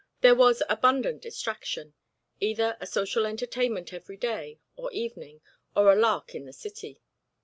There was abundant distraction: either a social entertainment every day or evening, or a lark in the city.